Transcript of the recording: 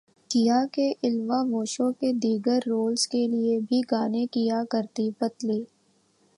کیا کے الوا وو شو کے دیگر رولز کے لیے بھی گانے گیا کرتی پتلی